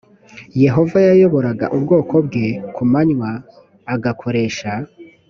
yehova yayoboraga ubwoko bwe ku manywa agakoresha